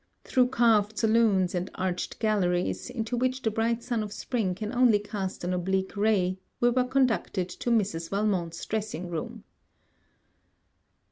Through carved saloons and arched galleries, into which the bright sun of spring can only cast an oblique ray, we were conducted to Mrs. Valmont's dressing room.